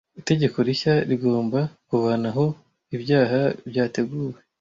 Itegeko rishya rigomba kuvanaho ibyaha byateguwe.